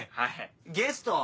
ゲスト？